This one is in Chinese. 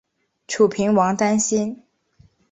楚平王担心。